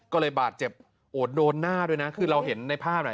ก็เลยบาดเจ็บโอ้โดนหน้าด้วยนะคือเราเห็นในภาพหน่อย